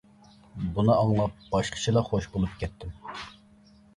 بۇنى ئاڭلاپ باشقىچىلا خوش بولۇپ كەتتىم.